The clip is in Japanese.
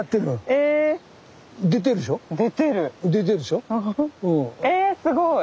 えすごい。